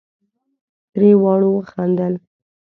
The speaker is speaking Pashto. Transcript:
درې واړو وخندل.